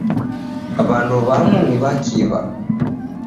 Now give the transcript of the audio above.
W'andu w'amu ni w'akiw'a.